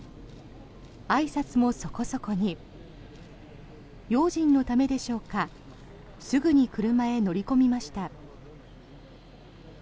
あいさつもそこそこに用心のためでしょうかすぐに車へ乗り込みました。